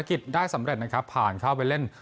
ภารกิจได้สำเร็จผ่านเข้าไปเล่น